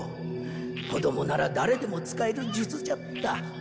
子供なら誰でも使える術じゃった。